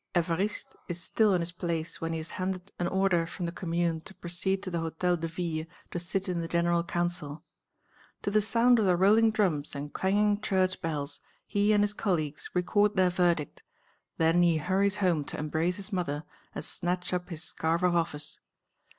Évariste is still in his place when he is handed an order from the Commune to proceed to the Hôtel de Ville to sit in the General Council. To the sound of the rolling drums and clanging church bells, he and his colleagues record their verdict; then he hurries home to embrace his mother and snatch up his scarf of office.